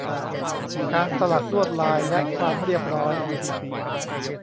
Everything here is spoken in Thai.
การสลักลวดลาย และความเรียบร้อย